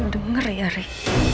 lo denger ya rik